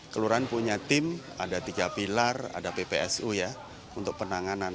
kelurahan punya tim ada tiga pilar ada ppsu ya untuk penanganan